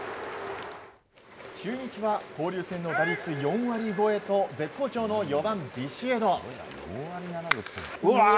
中日は交流戦の打率４割超えと絶好調の４番、ビシエド。